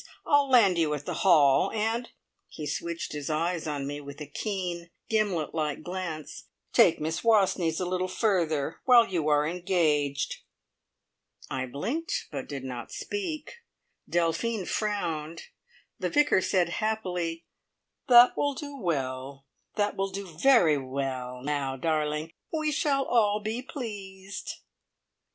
I'll land you at the `Hall,' and" he switched his eyes on me with a keen, gimlet like glance "take Miss Wastneys a little further while you are engaged." I blinked, but did not speak; Delphine frowned; the Vicar said happily, "That will do well. That will do very well! Now, darling, we shall all be pleased!"